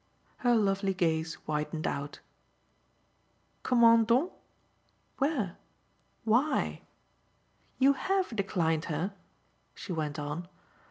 Her lovely gaze widened out. "Comment donc? Where why? You HAVE declined her?" she went on.